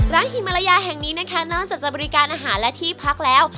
ร้านฮิมาลายาแห่งนี้นอกจากบริการอาหารและที่พักแล้ว